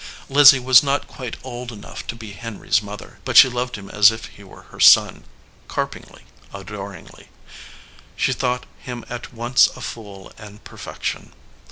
Lizzie was not quite old enough to be Henry s mother, but she loved him as if he were her son, carpingly, ador ingly. She thought him at once a fool and perfec tion.